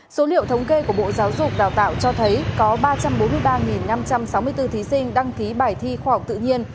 số liệu thống kê của bộ giáo dục đào tạo cho thấy có ba trăm bốn mươi ba năm trăm sáu mươi bốn thí sinh đăng ký bài thi khoa học tự nhiên